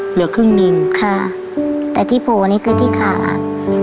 เหลือครึ่งหนึ่งค่ะแต่ที่โผล่นี่คือที่ขาอืม